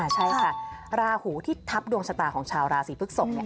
ใช่ค่ะราหูที่ทับดวงชะตาของชาวราศีพฤกษก